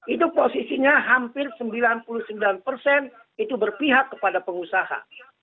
itu posisinya hampir sembilan puluh sembilan persen itu berpihak kepada pengusaha